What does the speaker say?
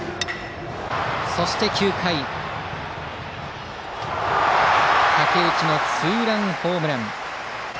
そして９回武内のツーランホームラン。